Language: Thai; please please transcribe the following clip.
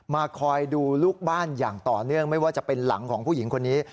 คอยดูลูกบ้านอย่างต่อเนื่องไม่ว่าจะเป็นหลังของผู้หญิงคนนี้